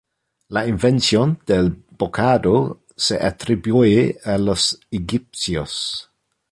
La invención del bocado se atribuye a los egipcios.